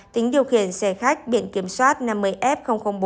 tính điều khiển xe khách biển kiểm soát năm mươi f bốn trăm tám mươi ba